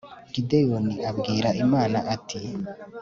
gideyoni abwira imana ati